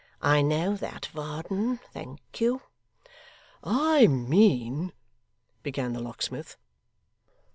I know that, Varden. Thank you.' 'I mean ' began the locksmith.